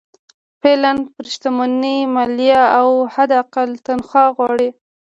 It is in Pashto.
فعالان پر شتمنۍ مالیه او حداقل تنخوا غواړي.